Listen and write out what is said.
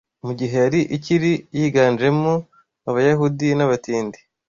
mugihe yari ikiri yiganjemo abayahudi nabatindi